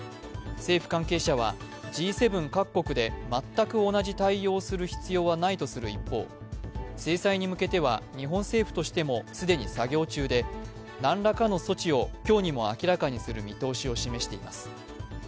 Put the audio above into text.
政府関係者はＧ７各国で全く同じ対応をする必要はないとする一方、制裁に向けては日本政府としても既に作業中で何らかの措置を今日にも明らかにする見通しを示しています。